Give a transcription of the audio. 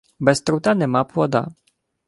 Без труда нема плода.